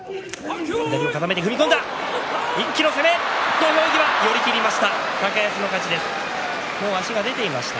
土俵際、寄り切りました